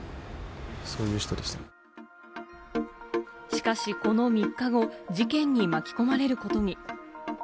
しかしこの３日後、事件に巻き込まれることに。